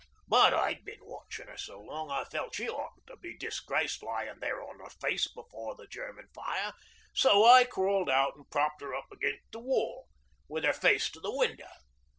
But I'd been watchin' 'er so long I felt she oughtn't to be disgraced lyin' there on 'er face before the German fire. So I crawled out an' propped 'er up against the wall with 'er face to the window.